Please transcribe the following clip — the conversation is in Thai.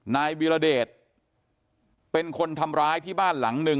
นายวีรเดชเป็นคนทำร้ายที่บ้านหลังหนึ่ง